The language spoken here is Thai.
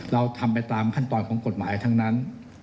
เราทำไปตามขั้นตอนของกฎหมายทั้งนั้น